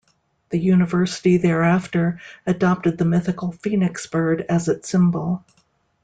The university thereafter adopted the mythical phoenix bird as its symbol.